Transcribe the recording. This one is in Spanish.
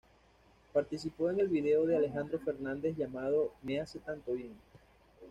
Participó en el vídeo de Alejandro Fernández llamado "Me hace tanto bien".